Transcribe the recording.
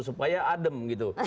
supaya adem gitu